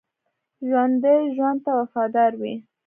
ژوندي ژوند ته وفادار وي